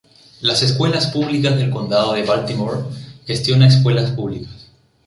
Las Escuelas Públicas del Condado de Baltimore gestiona escuelas públicas.